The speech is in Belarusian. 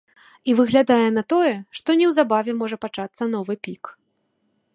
І выглядае на тое, што неўзабаве можа пачацца новы пік.